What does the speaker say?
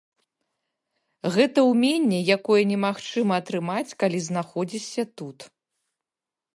Гэта ўменне, якое немагчыма атрымаць, калі знаходзішся тут.